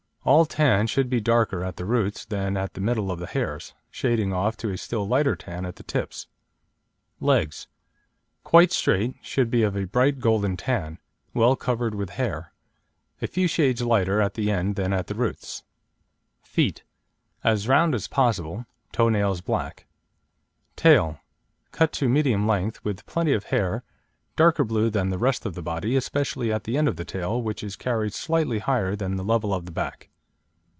All tan should be darker at the roots than at the middle of the hairs, shading off to a still lighter tan at the tips. LEGS Quite straight, should be of a bright golden tan, well covered with hair, a few shades lighter at the end than at the roots. FEET As round as possible; toe nails black. TAIL Cut to medium length; with plenty of hair, darker blue than the rest of the body, especially at the end of the tail, which is carried slightly higher than the level of the back.